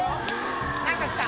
なんか来た。